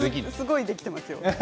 すごいできていますよ。